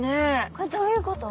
これどういうこと？